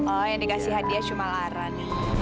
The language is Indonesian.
oh yang dikasih hadiah cuma laran